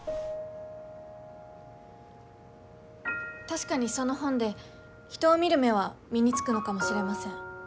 確かにその本で人を見る目は身につくのかもしれません。